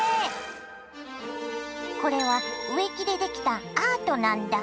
これは植木で出来たアートなんだ。